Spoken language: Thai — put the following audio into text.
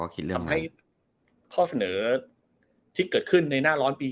ทำให้ข้อเสนอที่เกิดขึ้นในหน้าร้อนปี๒๕